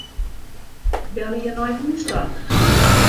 Belje nei hûs ta.